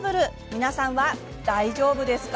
皆さんは大丈夫ですか？